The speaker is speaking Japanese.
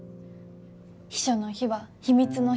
秘書の秘は秘密の秘。